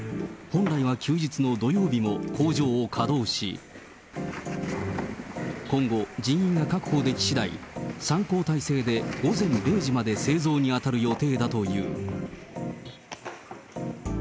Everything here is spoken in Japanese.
本来は休日の土曜日も工場を稼働し、今後、人員が確保できしだい、３交代制で午前０時まで製造に当たる予定だという。